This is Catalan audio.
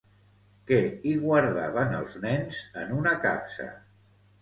Què hi guardaven els nens en una capsa?